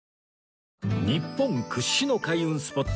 日本屈指の開運スポット